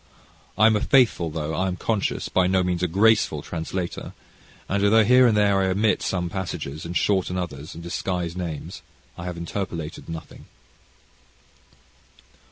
I am a faithful, though I am conscious, by no means a graceful translator, and although here and there I omit some passages, and shorten others, and disguise names, I have interpolated nothing.